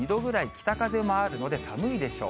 北風もあるので、寒いでしょう。